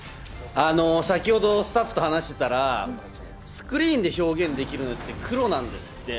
先ほどスタッフと話してたら、スクリーンで表現できるのって、黒なんですって。